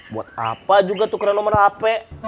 buat apa juga tukarnya nomor hp